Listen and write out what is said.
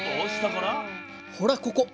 ほらここ！